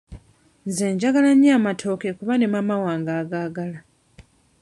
Nze njagala nnyo amatooke kuba ne maama wange agaagala.